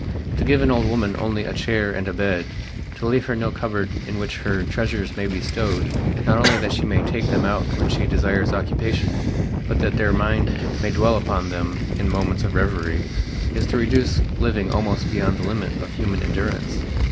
To give an old woman only a chair and a bed, to leave her no cupboard in which her treasures may be stowed, not only that she may take them out when she desires occupation, but that their mind may dwell upon them in moments of revery, is to reduce living almost beyond the limit of human endurance.